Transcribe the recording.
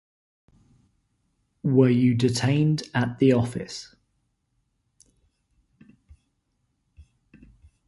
Were you detained at the office?